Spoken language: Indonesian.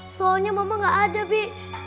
soalnya mama gak ada bi